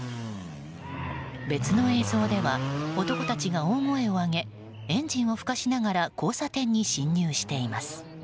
別の映像では男たちが大声を上げエンジンを噴かしながら交差点に進入しています。